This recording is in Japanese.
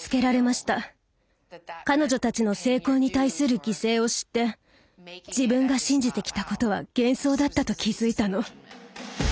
彼女たちの成功に対する犠牲を知って自分が信じてきたことは幻想だったと気付いたの。